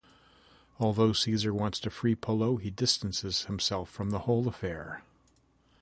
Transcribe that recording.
Although Caesar wants to free Pullo, he distances himself from the whole affair.